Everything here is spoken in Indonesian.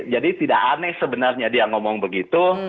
jadi tidak aneh sebenarnya dia ngomong begitu